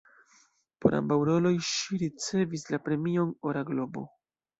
Por ambaŭ roloj ŝi ricevis la premion "Ora globo".